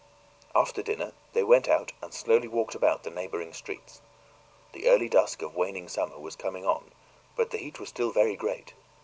After dinner they went out and slowly walked about the neighboring streets. The early dusk of waning summer was coming on, but the heat was still very great.